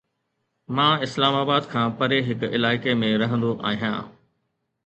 مان اسلام آباد کان پري هڪ علائقي ۾ رهندو آهيان